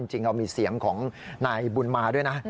จริงเรามีเสียงของนายบุญมาด้วยนะ